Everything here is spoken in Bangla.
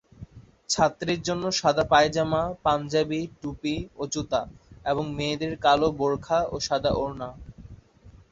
ছাত্রের জন্য সাদা পায়জামা, পাঞ্জাবি, টুপি ও জুতা এবং মেয়েদের কালো বোরখা ও সাদা ওড়না।